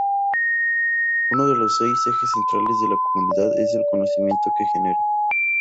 Uno de los ejes centrales de una comunidad es el conocimiento que genera.